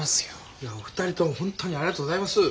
いやお二人ともほんとにありがとうございます。